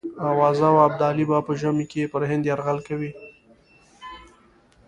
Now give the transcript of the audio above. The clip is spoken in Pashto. آوازه وه ابدالي به په ژمي کې پر هند یرغل کوي.